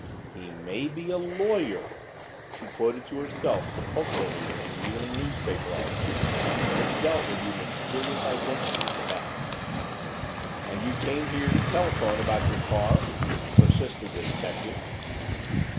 "He may be a LAWYER " she quoted to herself sepulchrally from the evening newspaper article that had dealt with the mysterious identity of the Bat. "And you came here to telephone about your car?" persisted the detective.